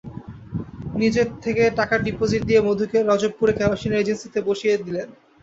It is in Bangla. নিজের থেকে টাকা ডিপজিট দিয়ে মধুকে রজবপুরে কেরোসিনের এজেন্সিতে বসিয়ে দিলেন।